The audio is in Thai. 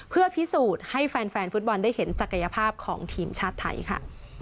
เพื่อพิสูจน์ให้แฟนฟุตบอลได้เห็นศักยภาพของทีมชาติไทยค่ะ